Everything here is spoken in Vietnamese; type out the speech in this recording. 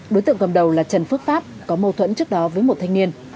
đối tượng cầm đầu là trần phước pháp có mâu thuẫn trước đó với một thanh niên